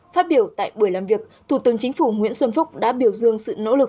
phát biểu tại buổi làm việc thủ tướng chính phủ nguyễn xuân phúc đã biểu dương sự nỗ lực